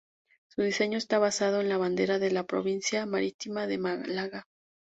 Su diseño está basado en la bandera de la provincia marítima de Málaga.